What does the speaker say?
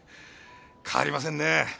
変わりませんね。